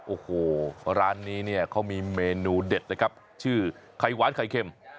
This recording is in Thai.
โอ้โหร้านนี้เนี่ยเขามีเมนูเด็ดนะครับชื่อไข่หวานไข่เค็ม